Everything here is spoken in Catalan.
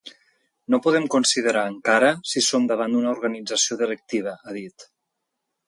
No podem considerar encara si som davant una organització delictiva, ha dit.